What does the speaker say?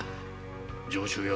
上州屋